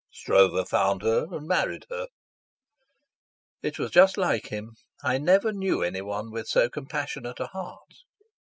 Stroeve found her and married her." "It was just like him. I never knew anyone with so compassionate a heart."